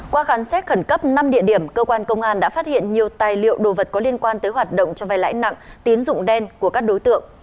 qua khám xét khẩn cấp năm địa điểm cơ quan công an đã phát hiện nhiều tài liệu đồ vật có liên quan tới hoạt động cho vai lãi nặng tín dụng đen của các đối tượng